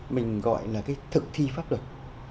mình gọi là cái thực thi pháp luật